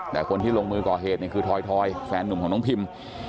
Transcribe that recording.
แต่คนที่ลงมือก่อเหตุเนี่ยคือทอยแฟนหนุ่มของน้องพิม